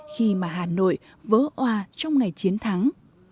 khi mà hà nội vỡ hoa trong ngày chiến thắng